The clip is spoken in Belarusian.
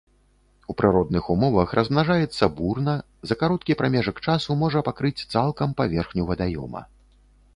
У прыродных умовах размнажаецца бурна, за кароткі прамежак часу можа пакрыць цалкам паверхню вадаёма.